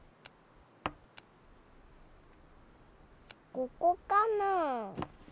ここかなあ？